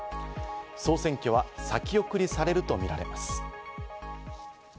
総選挙は先送りされるとみられます。